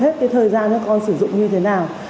hết cái thời gian các con sử dụng như thế nào